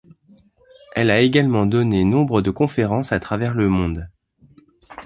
Elle a également donné nombre de conférences à travers le monde.